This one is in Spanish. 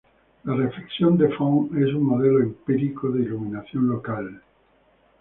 La reflexión de Phong es un modelo empírico de iluminación local.